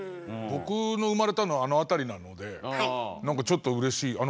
僕の生まれたのはあの辺りなので何かちょっとうれしい。